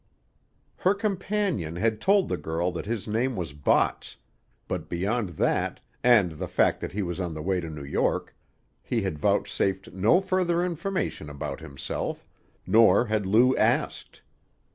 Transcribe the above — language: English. Her companion had told the girl that his name was Botts, but beyond that, and the fact that he was on the way to New York, he had vouchsafed no further information about himself, nor had Lou asked.